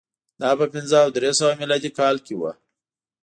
دا په پنځه او درې سوه میلادي کال کې و